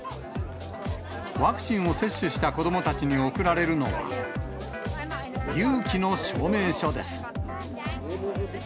ワクチンを接種した子どもたちに贈られるのは、勇気の証明書です。